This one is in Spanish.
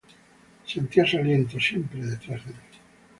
Sentía su aliento siempre detrás de mí.